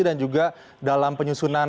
dan juga dalam penyusunan perusahaan